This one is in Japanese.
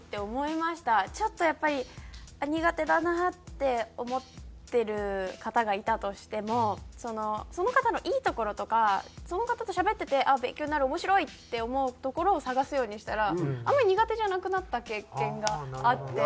ちょっとやっぱり苦手だなって思ってる方がいたとしてもその方のいいところとかその方としゃべってて勉強になる面白いって思うところを探すようにしたらあんまり苦手じゃなくなった経験があって。